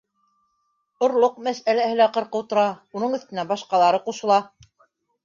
Орлоҡ мәсьәләһе лә ҡырҡыу тора, уның өҫтөнә башҡалары ҡушыла.